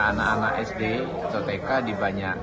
anak anak sd jtk di banyak